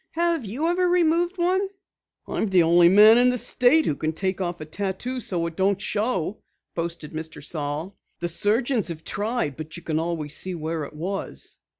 "Have you ever removed one?" "I'm the only man in the state who can take off a tattoo so it doesn't show," boasted Mr. Saal. "The surgeons have tried, but you always can see where it was."